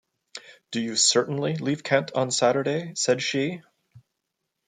“Do you certainly leave Kent on Saturday?” said she.